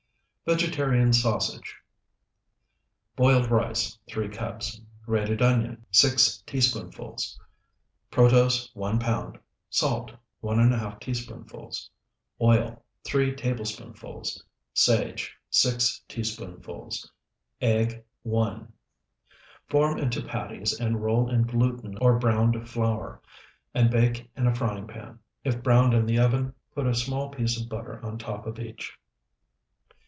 VEGETARIAN SAUSAGE Boiled rice, 3 cups. Grated onion, 6 teaspoonfuls. Protose, 1 pound. Salt, 1½ teaspoonfuls. Oil, 3 tablespoonfuls. Sage, 6 teaspoonfuls. Egg, 1. Form into patties, and roll in gluten or browned flour, and bake in a frying pan. If browned in the oven, put a small piece of butter on top of each.